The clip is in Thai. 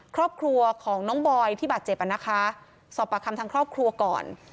ครอบครัวของน้องบอยที่บาดเจ็บอ่ะนะคะสอบปากคำทางครอบครัวก่อน